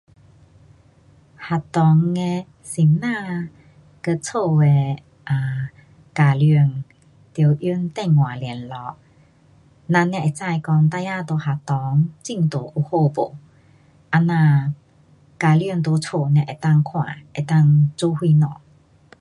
学校的先生和家的 um 家长得用电话联络，咱才会知讲孩儿在学堂进度有好不，这样，家长在家才能够看，才能够做什么。